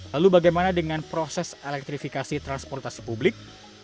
lalu bagaimana dengan proses elektrifikasi transportasi publik